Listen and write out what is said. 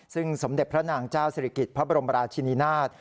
ซึ่งสมเด็จพระนางเจ้าศิริกิจพระบรมราชินินาศ